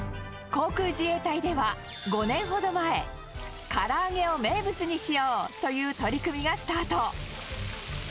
航空自衛隊では、５年ほど前、から揚げを名物にしようという取り組みがスタート。